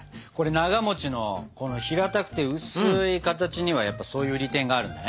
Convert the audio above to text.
ながのこの平たくて薄い形にはやっぱりそういう利点があるんだね。